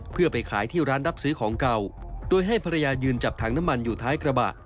เพื่อไปขายที่ร้านรับซื้อของเก่าโดยให้ภรรยายืนจับถังน้ำมันอยู่ท้ายกระบะ